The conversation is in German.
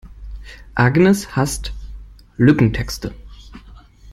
Agnes hasst Lückentexte.